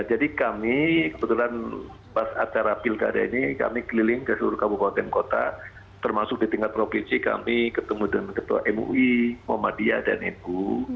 jadi kami kebetulan pas acara pil keadaan ini kami keliling ke seluruh kabupaten kota termasuk di tingkat provinsi kami ketemu dengan ketua mui muhammadiyah dan ibu